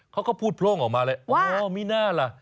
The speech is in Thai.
เขาก็พูดโพร่งออกมาเลยอ๋อมีน่าล่ะ